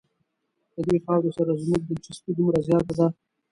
له دې خاورې سره زموږ دلچسپي دومره زیاته ده.